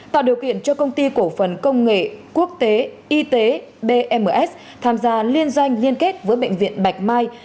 tạo điều kiện cho công ty cổ phần công nghệ quốc tế y tế bms tham gia liên doanh liên kết với bệnh viện bạch mai